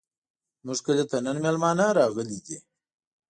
زموږ کلي ته نن مېلمانه راغلي دي.